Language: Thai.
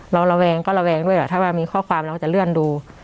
ระแวงก็ระแวงด้วยถ้าว่ามีข้อความเราจะเลื่อนดู